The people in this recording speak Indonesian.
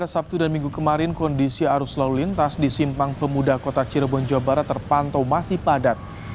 sabtu dan minggu kemarin kondisi arus lalu lintas di simpang pemuda kota cirebon jawa barat terpantau masih padat